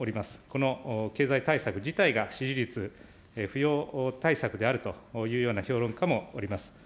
この経済対策自体が支持率浮揚対策であるというような評論家もおります。